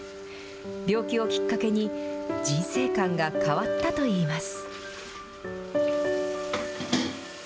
病気をきっかけに、人生観が変わったといいます。